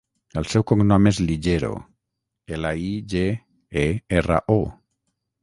El seu cognom és Ligero: ela, i, ge, e, erra, o.